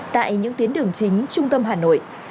tại những tiến đường chính trung tâm hà nội